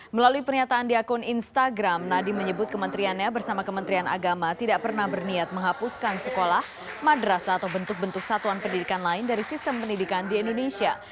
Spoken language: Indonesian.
melalui pernyataan di akun instagram nadiem menyebut kementeriannya bersama kementerian agama tidak pernah berniat menghapuskan sekolah madrasah atau bentuk bentuk satuan pendidikan lain dari sistem pendidikan di indonesia